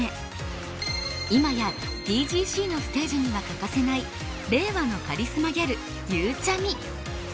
今やＴＧＣのステージには欠かせない令和のカリスマギャルゆうちゃみ。